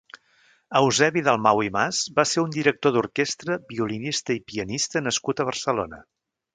Eusebi Dalmau i Mas va ser un director d'orquestra, violinista i pianista nascut a Barcelona.